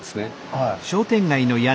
はい。